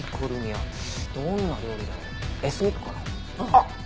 あっ！